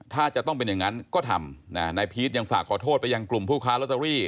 ถ้าจะต้องเป็นอย่างนั้นก็ทำนายพีชยังฝากขอโทษไปยังกลุ่มผู้ค้าลอตเตอรี่